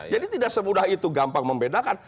jadi tidak semudah itu gampang membedakan